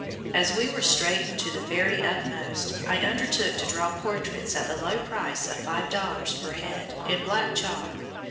"As we were straightened to the very utmost, I undertook to draw portraits at the low price of five dollars per head, in black chalk.